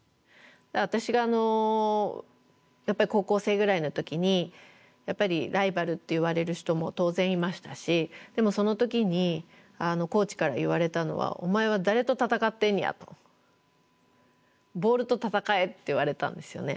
私がやっぱり高校生ぐらいの時にライバルっていわれる人も当然いましたしでもその時にコーチから言われたのは「お前は誰と戦ってんのや」と「ボールと戦え」って言われたんですよね。